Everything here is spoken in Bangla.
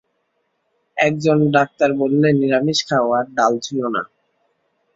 একজন ডাক্তার বললে, নিরামিষ খাও, আর দাল ছুঁয়ো না।